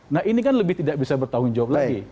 nah ini kan lebih tidak bisa bertanggung jawab lagi